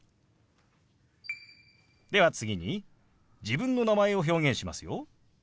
では次に自分の名前を表現しますよ。